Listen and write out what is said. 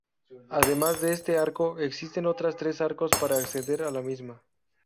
Además de este arco, existen otros tres arcos para acceder a la misma.